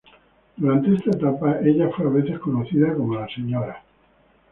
Durante esta etapa, ella fue a veces conocida como la Sra.